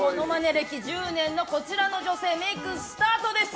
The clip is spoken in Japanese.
歴１０年のこちらの女性メイク、スタートです。